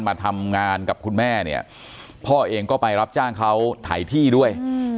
มาทำงานกับคุณแม่เนี่ยพ่อเองก็ไปรับจ้างเขาถ่ายที่ด้วย